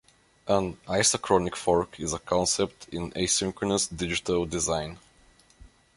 An isochronic fork is a concept in asynchronous digital design.